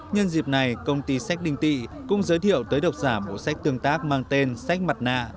nhân dịp này công ty sách đinh tị cũng giới thiệu tới độc giả bộ sách tương tác mang tên sách mặt nạ